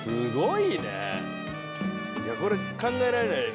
いやこれ考えられないよ